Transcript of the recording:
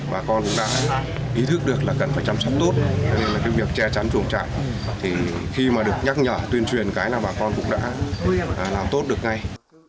bà con cũng đã ý thức được là cần phải chăm sóc tốt nên là cái việc che chắn chuồng trại thì khi mà được nhắc nhở tuyên truyền cái là bà con cũng đã làm tốt được ngay